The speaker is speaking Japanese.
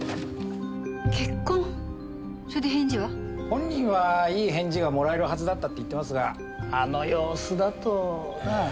本人はいい返事がもらえるはずだったって言ってますがあの様子だとなあ。